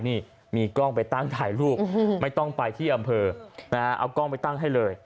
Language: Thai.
นี่มีกล้องไปตั้งถ่ายรูปไม่ต้องไปที่อำเภอนะฮะเอากล้องไปตั้งให้เลย